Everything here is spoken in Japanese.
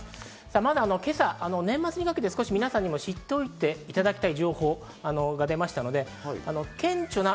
まず今朝、年末にかけて皆さんにも知っておいていただきたい情報が出ました。